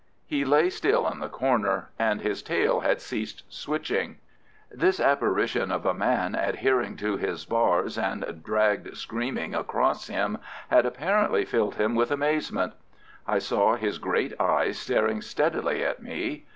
He lay still in the corner, and his tail had ceased switching. This apparition of a man adhering to his bars and dragged screaming across him had apparently filled him with amazement. I saw his great eyes staring steadily at me.